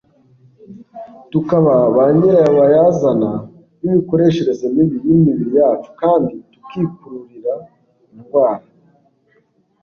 tukaba ba nyirabayazana b'imikoreshereze mibi y'imibiri yacu, kandi tukikururira indwara